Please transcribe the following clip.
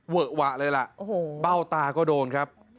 หวะเลยล่ะเบ้าตาก็โดนครับ